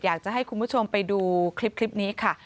อยากจะให้คุณผู้ชมไปดูคลิปนี้ค่ะ